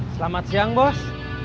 selamat siang bos